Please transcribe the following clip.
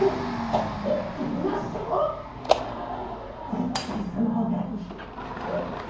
絶対その方がいい。